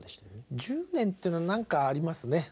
１０年っていうのは何かありますね。